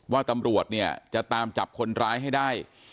ว่าตำรวจเนี่ยจะตามจับคนร้ายให้ได้